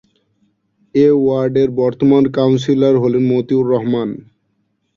এ ওয়ার্ডের বর্তমান কাউন্সিলর হলেন মতিউর রহমান।